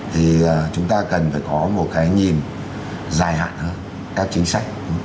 thì chúng ta cần phải có một cái nhìn dài hạn hơn các chính sách